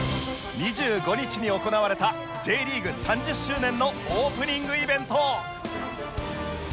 ２５日に行われた Ｊ リーグ３０周年のオープニングイベント